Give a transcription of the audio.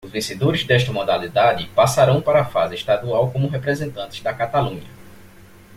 Os vencedores desta modalidade passarão para a fase estadual como representantes da Catalunha.